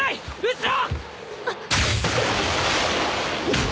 後ろ！